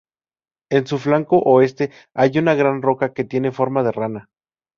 En su flanco oeste hay una gran roca que tiene forma de rana.